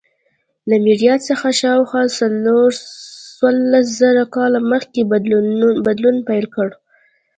له میلاد څخه شاوخوا څوارلس زره کاله مخکې بدلون پیل کړ.